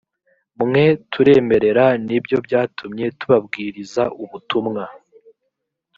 mwe turemerera ni byo byatumye tubabwiriza ubutumwa